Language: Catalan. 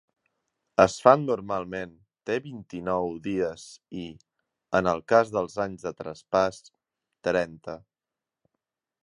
Esfand normalment té vint-i-nou dies i, en el cas dels anys de traspàs, trenta.